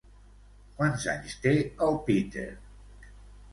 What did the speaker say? Quants anys té el Peter?